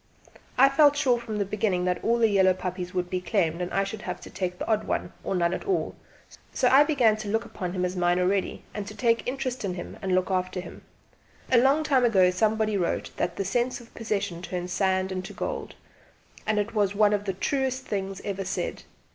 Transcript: I felt sure from the beginning that all the yellow puppies would be claimed and that I should have to take the odd one, or none at all; so I began to look upon him as mine already, and to take an interest in him and look after him. A long time ago somebody wrote that "the sense of possession turns sand into gold," and it is one of the truest things ever said.